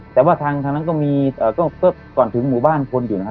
แต่ว่าทางนั้นก็มีก็ก่อนถึงหมู่บ้านคนอยู่นะครับ